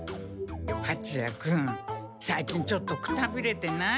はちや君最近ちょっとくたびれてない？